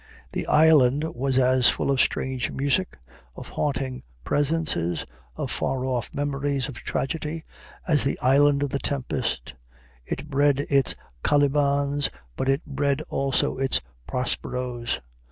The island was as full of strange music, of haunting presences, of far off memories of tragedy, as the island of the Tempest: it bred its Calibans, but it bred also its Prosperos.